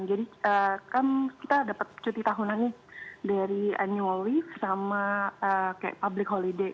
jadi kan kita dapat cuti tahunan dari annual leave sama public holiday